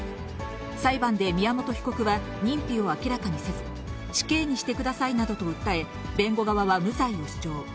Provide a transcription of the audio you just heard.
裁判で宮本被告は認否を明らかにせず、死刑にしてくださいなどと訴え、弁護側は無罪を主張。